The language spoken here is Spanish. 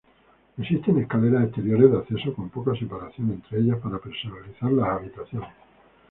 Existen escaleras exteriores de acceso con poca separación entre ellas para personalizar las habitaciones.